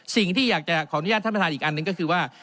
สิ่งที่อยากจะขออนุญาตท่านประธานอีกอันหนึ่งก็คือว่า